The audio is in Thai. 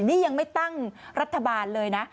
นี่ยังไม่ตั้งรัฐบาลเลยนะ